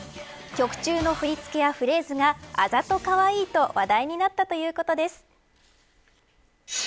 曲中の振り付けやフレーズがあざとかわいいと話題になったということです。